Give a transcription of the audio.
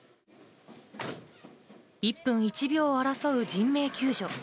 一分一秒を争う人命救助。